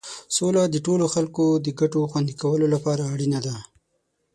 سوله د ټولو خلکو د ګټو خوندي کولو لپاره اړینه ده.